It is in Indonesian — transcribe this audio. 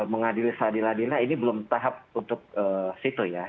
mengadil seadil adilnya ini belum tahap untuk situ ya